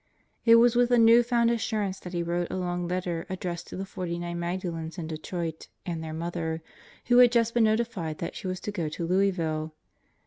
It was with a new found assurance that he wrote a long letter addressed to the 49 Magdalens in Detroit and their Mother, who had just been notified that she was to go to Louisville.